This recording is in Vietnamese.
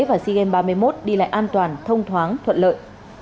và sigem ba mươi một đi lại an toàn thông thoáng thuận lợi